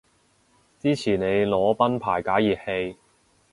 支持你裸奔排解熱氣